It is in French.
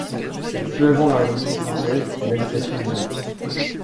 Peu avant la Révolution française, l’agitation monte.